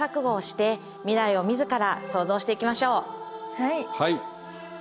はい。